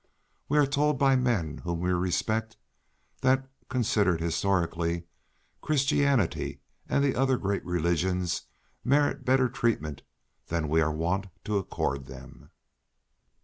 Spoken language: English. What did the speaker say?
We are told by men whom we respect that, considered historically, Christianity and the other great religions merit better treatment than we are wont to accord them.